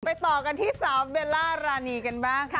ต่อกันที่สาวเบลล่ารานีกันบ้างค่ะ